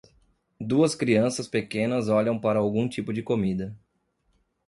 Duas crianças pequenas olham para algum tipo de comida.